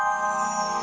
gak bisa sih